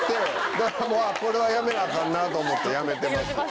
だからもうこれはやめなアカンなと思ってやめてます。